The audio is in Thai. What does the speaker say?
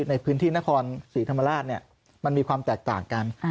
ในพื้นที่นครศรีธรรมราชมันมีความแตกต่างกัน